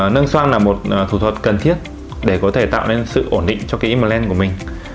nâng so là một thủ thuật cần thiết để có thể tạo nên sự ổn định cho cái imland của mình